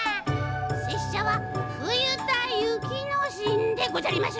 せっしゃは「ふゆたゆきのしん」でごじゃりまする。